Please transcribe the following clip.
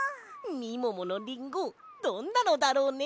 みもものリンゴどんなのだろうね？